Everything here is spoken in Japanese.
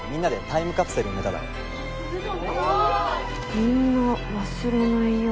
「みんな忘れないよ」